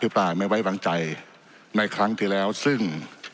ปลายไม่ไว้วางใจในครั้งที่แล้วซึ่ง